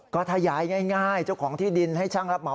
ก็ถ้าย้ายง่ายเจ้าของที่ดินให้ช่างรับเหมา